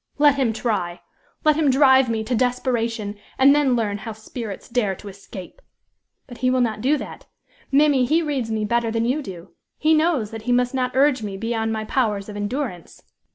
"Let him try! let him drive me to desperation, and then learn how spirits dare to escape! But he will not do that. Mimmy! he reads me better than you do; he knows that he must not urge me beyond my powers of endurance.